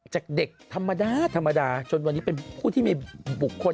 จากเด็กธรรมดาธรรมดาจนวันนี้เป็นผู้ที่มีบุคคล